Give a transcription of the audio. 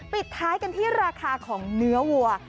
ปิดท้ายกันที่ราคาของเนื้อวัว